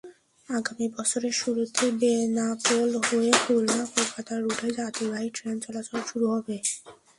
আগামী বছরের শুরুতেই বেনাপোল হয়ে খুলনা-কলকাতা রুটে যাত্রীবাহী ট্রেন চলাচল শুরু হবে।